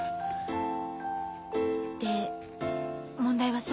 で問題はさ。